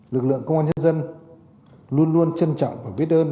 lực lượng công an nhân dân luôn luôn trân trọng và biết ơn